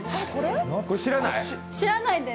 知らないです。